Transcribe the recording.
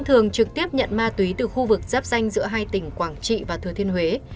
thường trực tiếp nhận ma túy từ khu vực giáp danh giữa hai tỉnh quảng trị và thừa thiên huế